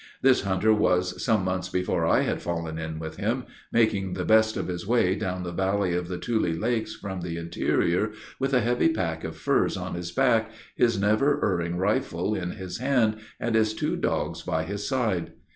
This hunter was, some months before I had fallen in with him, making the best of his way down the valley of the Tule Lakes from the interior, with a heavy pack of furs on his back, his never erring rifle in his hand, and his two dogs by his side.